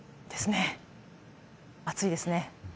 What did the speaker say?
暑いですね。